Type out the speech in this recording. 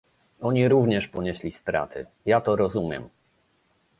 Oni również ponieśli straty, ja to rozumiem